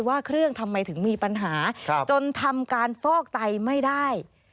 ว่าเครื่องทำไมถึงมีปัญหาจนทำการฟอกไตไม่ได้